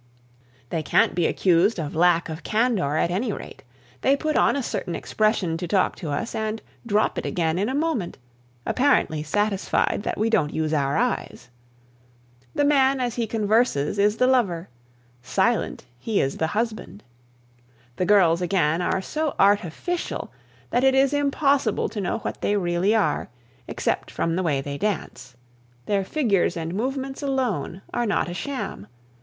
They can't be accused of lack of candor at any rate. They put on a certain expression to talk to us, and drop it again in a moment, apparently satisfied that we don't use our eyes. The man as he converses is the lover; silent, he is the husband. The girls, again, are so artificial that it is impossible to know what they really are, except from the way they dance; their figures and movements alone are not a sham.